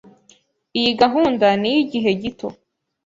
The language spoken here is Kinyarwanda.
Iyi gahunda ni iyigihe gito.